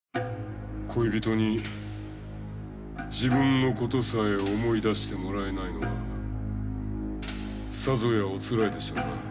恋人に自分のことさえ思い出してもらえないのはさぞやおつらいでしょうな。